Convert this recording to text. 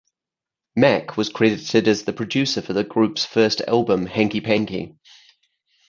Mack was credited as the producer for the group's first album, "Hanky Panky".